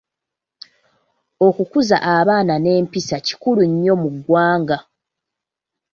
Okukuza abaana n'empisa kikulu nnyo mu ggwanga.